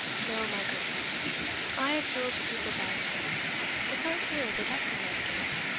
No, my good friend, I appeal to people's eye sight. Is not here the Decuman gate?